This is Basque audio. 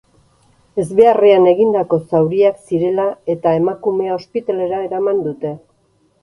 Ezbeharrean egindako zauriak zirela eta emakumea ospitalera eraman dute.